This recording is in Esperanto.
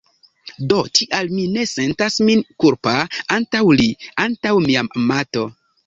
Do, tial mi ne sentas min kulpa antaŭ li, antaŭ mia amato.